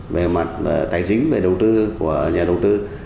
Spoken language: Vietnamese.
về mặt tài chính về đầu tư của nhà đầu tư